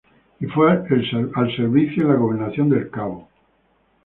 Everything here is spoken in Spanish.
Y fue al servicio en la Gobernación de El Cabo.